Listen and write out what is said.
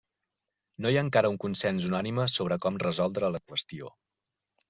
No hi ha encara un consens unànime sobre com resoldre la qüestió.